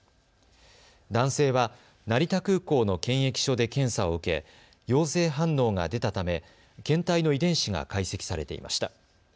男性は成田空港の検疫所で検査を受け陽性反応が出たため検体の遺伝子が解析されていました。